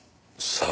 さあ。